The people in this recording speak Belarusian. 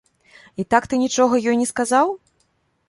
І так ты нічога ёй не сказаў?